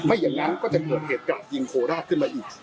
อย่างนั้นก็จะเกิดเหตุกระดยิงโคราชขึ้นมาอีก